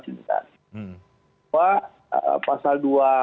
bahwa pasal dua